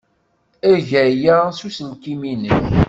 Eg aya s uselkim-nnek.